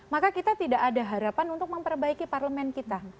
maka kita tidak ada harapan untuk memperbaiki parlemen kita